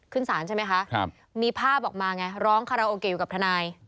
ขึ้นศาลใช่ไหมคะครับมีภาพออกมาไงร้องคาราโอเกลอยู่กับทนาย